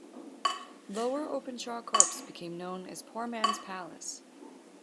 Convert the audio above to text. Lower Openshaw corps became known as 'Poor man's Palace'.